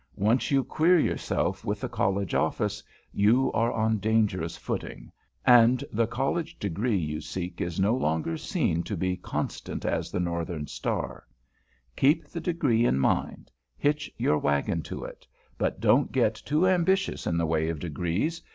Once you "queer" yourself with the College Office, you are on dangerous footing, and the College Degree you seek is no longer seen to be "constant as the northern star." Keep the Degree in mind; hitch your wagon to it. But don't get too ambitious in the way of Degrees.